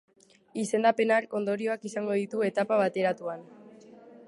Izendapen hark ondorioak izango ditu etapa bateratuan.